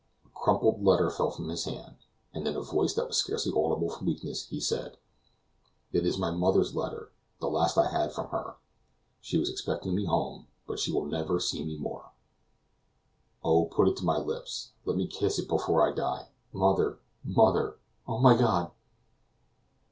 A crumpled letter fell from his hand, and in a voice that was scarcely audible from weakness, he said: "It is my mother's letter; the last I had from her she was expecting me home; but she will never see me more. Oh, put it to my lips let me kiss it before I die. Mother! mother! Oh, my God!"